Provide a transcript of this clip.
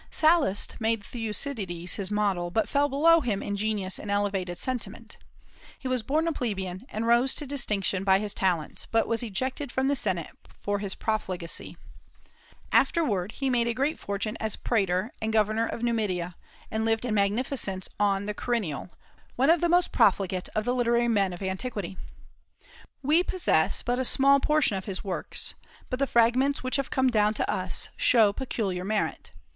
Sallust made Thucydides his model, but fell below him in genius and elevated sentiment. He was born a plebeian, and rose to distinction by his talents, but was ejected from the senate for his profligacy. Afterward he made a great fortune as praetor and governor of Numidia, and lived in magnificence on the Quirinal, one of the most profligate of the literary men of antiquity. We possess but a small portion of his works, but the fragments which have come down to us show peculiar merit.